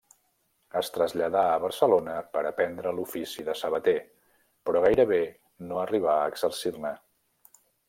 Es traslladà a Barcelona per aprendre l'ofici de sabater, però gairebé no arribà a exercir-ne.